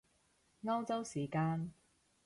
歐洲時間？